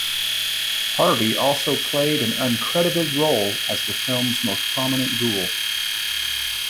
Harvey also played an uncredited role as the film's most prominent ghoul.